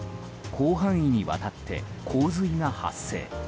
広範囲にわたって洪水が発生。